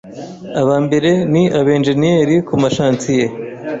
abambere ni Abanjeniyeri ku mashansiye